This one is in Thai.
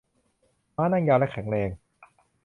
ม้านั่งยาวและแข็งแรง